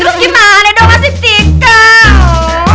terus gimana dong masih fika